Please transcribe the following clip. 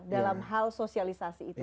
dalam hal sosialisasi itu